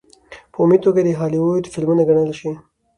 په عمومي توګه د هالي وډ فلمونه ګڼلے شي.